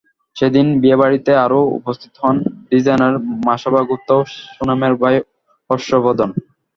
সেদিন বিয়েবাড়িতে আরও উপস্থিত হন ডিজাইনার মাসাবা গুপ্ত ও সোনমের ভাই হর্ষবর্ধন।